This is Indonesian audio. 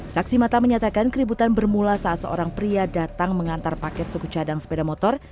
saksi mata menyatakan keributan bermula saat seorang pria datang mengantar paket suku cadang sepeda motor